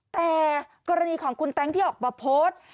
แต่กรณีของคุณแต๊งที่ออกมาโพสต์